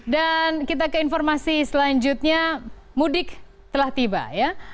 dan kita ke informasi selanjutnya mudik telah tiba ya